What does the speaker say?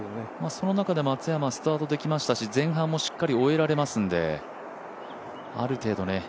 その中で松山スタートできましたし前半もしっかり終えられますので、ある程度ね。